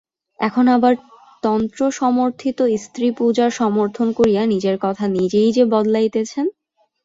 এখন আবার তন্ত্র-সমর্থিত স্ত্রী-পূজার সমর্থন করিয়া নিজের কথা নিজেই যে বদলাইতেছেন।